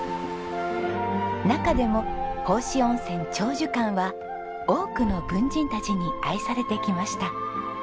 中でも法師温泉長寿館は多くの文人たちに愛されてきました。